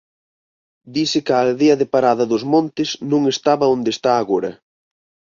Dise que a aldea de Parada dos Montes non estaba onde está agora.